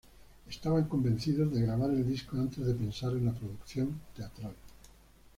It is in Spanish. Estaban convencidos de grabar el disco antes de pensar en la producción teatral.